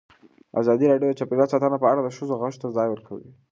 ازادي راډیو د چاپیریال ساتنه په اړه د ښځو غږ ته ځای ورکړی.